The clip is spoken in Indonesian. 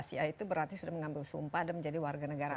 ya itu berarti sudah mengambil sumpah dan menjadi warganegaraan